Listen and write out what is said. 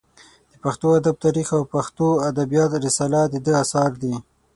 د پښتو ادب تاریخ او پښتو ادبیات رساله د ده اثار دي.